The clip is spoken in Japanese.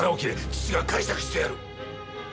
父が介錯してやる！